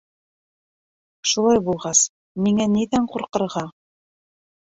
Шулай булғас, миңә ниҙән ҡурҡырға?